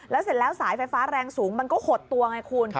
แล้วเสร็จแล้วสายไฟฟ้าแรงสูงมันก็หดตัวไงคุณ